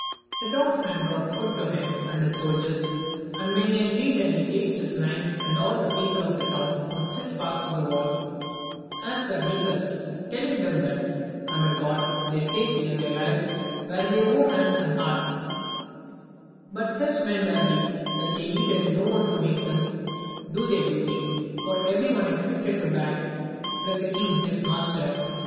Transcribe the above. The towns men brought food to him and his soldiers, and when he had ate he placed his knights and all the people of the town on such parts of the wall as were weakest, telling them that, under God, their safety and Hves were in their own hands and hearts ; but such men were they that they needed no one to make them do their duty, for every one expected to die like the king his master.